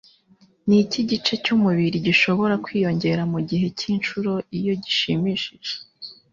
Niki gice cyumubiri gishobora kwiyongera mugihe cyinshuro Iyo gishimishije?